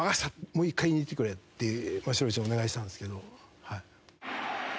もう１回言いに行ってくれ」って城石にお願いしたんですけど。